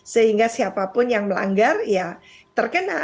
sehingga siapapun yang melanggar ya terkena